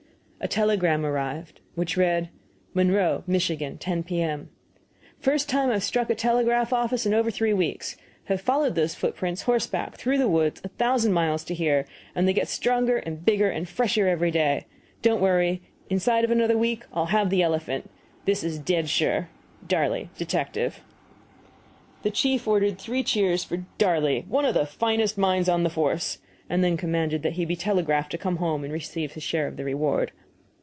A telegram arrived, which read: MONROE, MICH., 10 P.M. First time I've struck a telegraph office in over three weeks. Have followed those footprints, horseback, through the woods, a thousand miles to here, and they get stronger and bigger and fresher every day. Don't worry inside of another week I'll have the elephant. This is dead sure. DARLEY, Detective. The chief ordered three cheers for "Darley, one of the finest minds on the force," and then commanded that he be telegraphed to come home and receive his share of the reward.